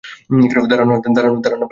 দাঁড়ান না, ভাই কী বলে দেখি!